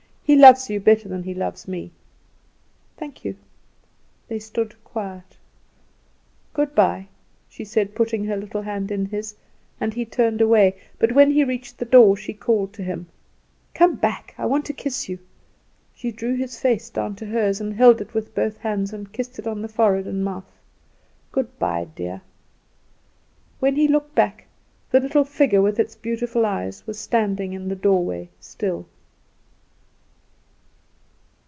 He loves you better than he loves me." "Thank you." They stood quiet. "Good bye!" she said, putting her little hand in his, and he turned away; but when he reached the door she called to him: "Come back, I want to kiss you." She drew his face down to hers, and held it with both hands, and kissed it on the forehead and mouth. "Good bye, dear!" When he looked back the little figure with its beautiful eyes was standing in the doorway still.